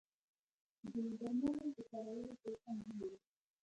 د درملو د کارولو طریقه مهمه ده.